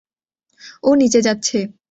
ও নিচে যাচ্ছে!